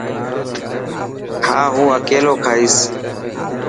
ها هون اڪيلو کائيس.